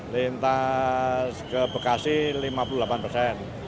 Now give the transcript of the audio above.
lintas ke bekasi lima puluh delapan persen